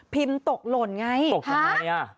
พิมพ์ตกหล่นไงห๊ะห้ะทำใหญ่